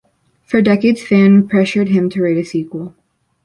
For decades, fans pressured him to write a sequel.